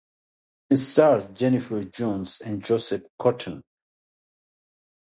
It stars Jennifer Jones and Joseph Cotten.